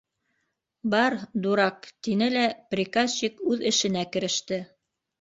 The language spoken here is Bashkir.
Бар, дурак, — тине лә приказчик үҙ эшенә кереште.